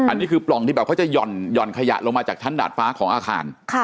อันนี้คือปล่องที่แบบเขาจะหย่อนขยะลงมาจากชั้นดาดฟ้าของอาคาร